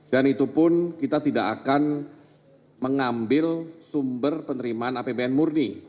dan itu pun kita tidak akan mengambil sumber penerimaan apbn murni